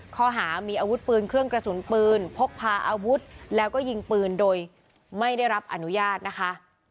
ข้อหามีอาวุธปืนเครื่องกระสุนปืนพกพาอาวุธแล้วก็ยิงปืนโดยไม่ได้รับอนุญาตนะคะ